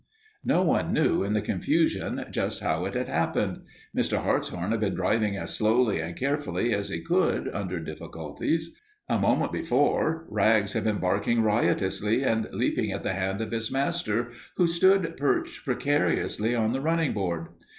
No one knew, in the confusion, just how it had happened. Mr. Hartshorn had been driving as slowly and carefully as he could under difficulties. A moment before Rags had been barking riotously and leaping at the hand of his master who stood perched precariously on the running board.